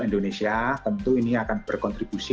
indonesia tentu ini akan berkontribusi